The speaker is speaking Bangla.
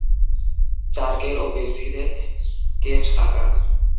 চারকেল এবং পেনসিলে স্কেচ আঁকা।